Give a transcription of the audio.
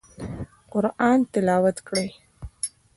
قرآن تلاوت کړئ